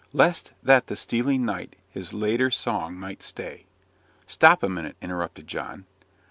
'Lest that the stealing night his later song might stay '" "Stop a minute," interrupted John.